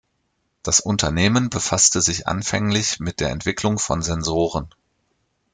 Das Unternehmen befasste sich anfänglich mit der Entwicklung von Sensoren.